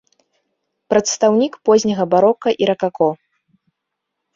Прадстаўнік позняга барока і ракако.